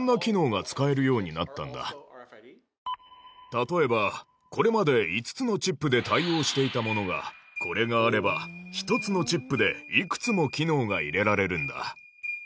例えばこれまで５つのチップで対応していたものがこれがあれば１つのチップでいくつも機能が入れられるんだ